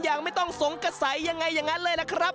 ยังไม่ต้องสงกระใสอย่างไรเลยล่ะครับ